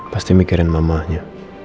pasti mikirin mamahnya